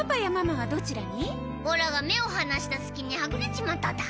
オラが目を離した隙にはぐれちまっただ。